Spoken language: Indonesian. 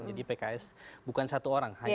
jadi pks bukan satu orang